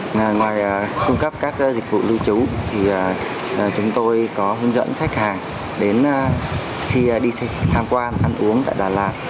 ngoài cung cấp các dịch vụ lưu trú thì chúng tôi có hướng dẫn khách hàng đến khi đi tham quan ăn uống tại đà lạt